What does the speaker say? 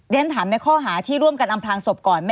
เรียนถามในข้อหาที่ร่วมกันอำพลางศพก่อน